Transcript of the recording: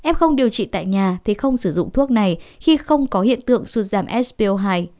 f điều trị tại nhà thì không sử dụng thuốc này khi không có hiện tượng xuất giảm spo hai